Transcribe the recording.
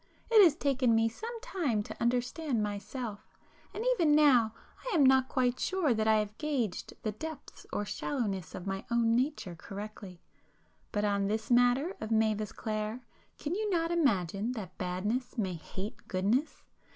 It has taken me some time to understand myself, and even now I am not quite sure that I have gauged the depths or shallownesses of my own nature correctly. But on this matter of Mavis Clare, can you not imagine that badness may hate goodness?